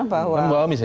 bau amis ya pak